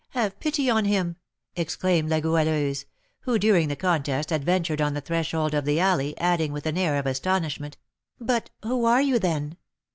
_ Have pity on him!" exclaimed La Goualeuse, who, during the contest, had ventured on the threshold of the alley, adding, with an air of astonishment, "But who are you, then?